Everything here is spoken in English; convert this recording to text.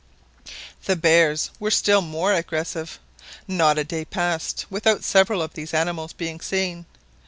The bears were still more aggressive. Not a day passed without several of these animals being seen.